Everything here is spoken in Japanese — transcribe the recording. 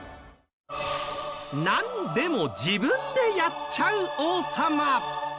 何でも自分でやっちゃう王様。